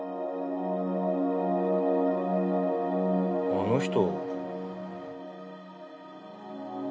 あの人。